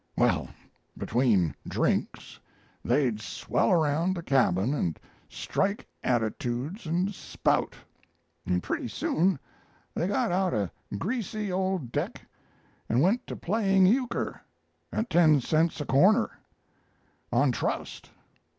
Well, between drinks they'd swell around the cabin and strike attitudes and spout; and pretty soon they got out a greasy old deck and went to playing euchre at ten cents a corner on trust.